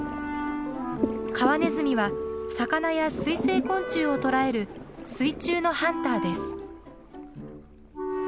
カワネズミは魚や水生昆虫を捕らえる水中のハンターです。